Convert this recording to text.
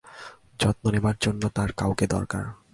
যত্ন নেয়ার জন্য তার কাউকে দরকার।